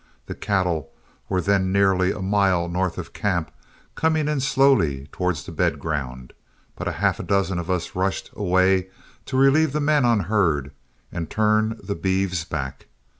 The cattle were then nearly a mile north of camp, coming in slowly towards the bed ground, but a half dozen of us rushed away to relieve the men on herd and turn the beeves back.